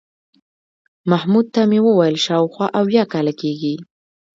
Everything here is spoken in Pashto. محمود ته مې وویل شاوخوا اویا کاله کېږي.